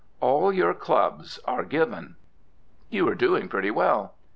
All your clubs are given. You are doing pretty well.